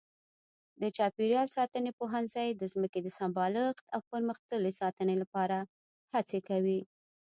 د چاپېریال ساتنې پوهنځی د ځمکې د سمبالښت او پرمختللې ساتنې لپاره هڅې کوي.